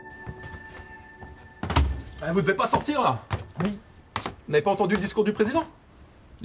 はい？